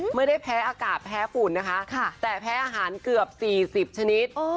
ไม่ได้แพ้อากาศแพ้ฝุ่นนะคะแต่แพ้อาหารเกือบ๔๐ชนิด